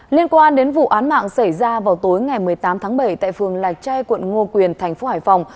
liên quan đến vụ án mạng xảy ra vào tối ngày một mươi tám bảy tại phường lạch trai quận ngô quyền tp hải phòng